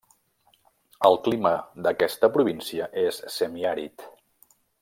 El clima d'aquesta província és semiàrid.